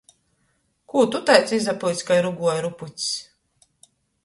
Kū tu taids izapyuts kai ruguoju rupucs!